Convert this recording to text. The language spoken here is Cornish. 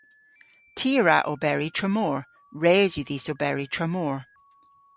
Ty a wra oberi tramor. Res yw dhis oberi tramor.